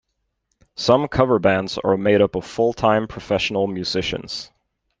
Some cover bands are made up of full-time professional musicians.